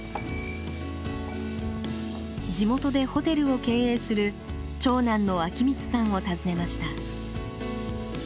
地元でホテルを経営する長男の昭光さんを訪ねました。